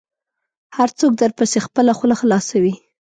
هر څوک درپسې خپله خوله خلاصوي .